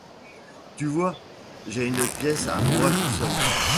Tu vois, j'ai une pièce à moi tout seul.